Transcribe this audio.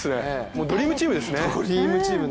もうドリームチームですね。